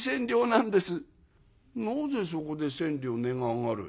「なぜそこで千両値が上がる」。